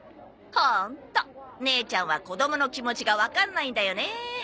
ホント姉ちゃんは子供の気持ちがわかんないんだよね。